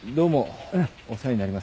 お世話になります。